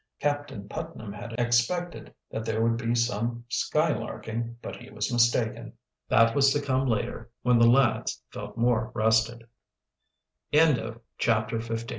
Captain Putnam had expected that there would be some skylarking, but he was mistaken. That was to come later when the lads felt more rested. CHAPTER XVI THE FIRS